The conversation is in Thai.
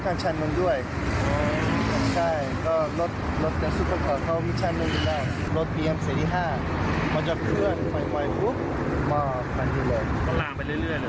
ก็ลามไปเรื่อยเลย